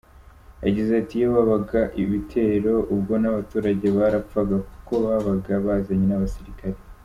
Yagize ati: “Iyo bagabaga ibitero, ubwo n’abaturage barapfaga kuko babaga bazanye n’abasirikare.